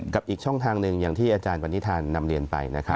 กับอีกช่องทางหนึ่งอย่างที่อาจารย์วันนี้นำเรียนไป